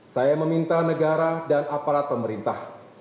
saya meminta negara dan aparat pemerintah